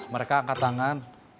mereka angkat tangan